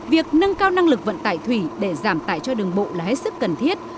việc nâng cao năng lực vận tải thủy để giảm tải cho đường bộ là hết sức cần thiết